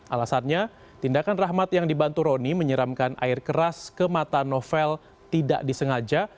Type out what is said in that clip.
alasannya tindakan rahmat yang dibantu roni menyeramkan air keras ke mata novel tidak disengaja